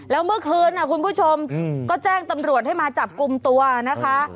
แล้วเมื่อคืนคุณผู้ชมก็แจ้งตำรวจให้มาจับกลุ่มตัวนะคะ